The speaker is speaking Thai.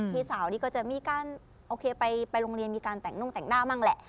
พี่สาวนี่ก็จะมีการโอเคไปโรงเรียนมีการแต่งนุ่งแต่งหน้ามั่งแหละ